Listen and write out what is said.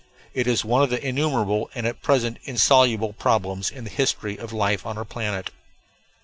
It is one of the innumerable and at present insoluble problems in the history of life on our planet.